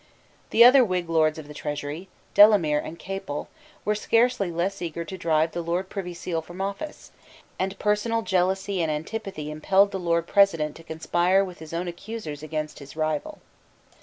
The other Whig Lords of the Treasury, Delamere and Capel, were scarcely less eager to drive the Lord Privy Seal from office; and personal jealousy and antipathy impelled the Lord President to conspire with his own accusers against his rival.